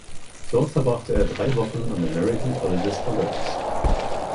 Dort verbrachte er drei Wochen am American Colleges for Girls.